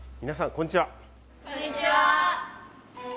こんにちは。